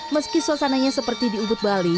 meski suasananya seperti di ubud bali